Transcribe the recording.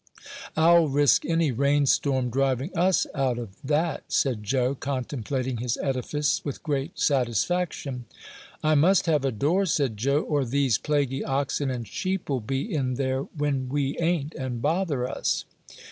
"I'll risk any rain storm driving us out of that," said Joe, contemplating his edifice with great satisfaction. "I must have a door," said Joe, "or these plaguy oxen and sheep'll be in there when we ain't, and bother us."